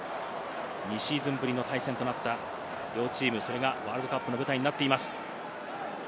２シーズンぶりの対戦となった両チーム、それがワールドカップの舞台になっています。